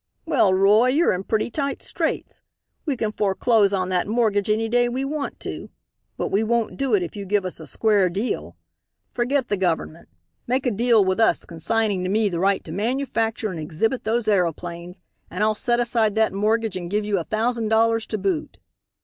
"Well, Roy, you're in pretty tight straits. We can foreclose on that mortgage any day we want to. But we won't do it if you give us a square deal. Forget the government. Make a deal with us consigning to me the right to manufacture and exhibit those aeroplanes and I'll set aside that mortgage and give you a thousand dollars to boot."